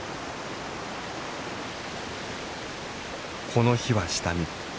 この日は下見。